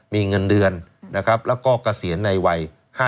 มีเงินเดือนแล้วก็เกษียณในวัย๕๕